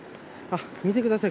見てください。